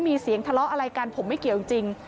มีเสียงทะเลาะอะไรกันผมไม่เกี่ยวจริง